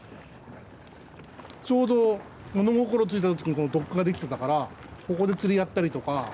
ちょうど物心ついた時にこのドックが出来てたからここで釣りやったりとか。